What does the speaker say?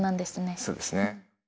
そうですね。